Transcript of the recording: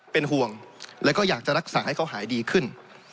เป็นห่วงแล้วก็อยากจะรักษาให้เขาหายดีขึ้น